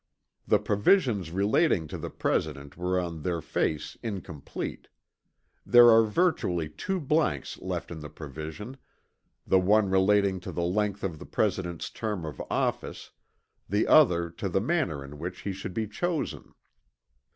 The provisions relating to the President were on their face incomplete. There are virtually two blanks left in the provision, the one relating to the length of the President's term of office, the other to the manner in which he should be chosen.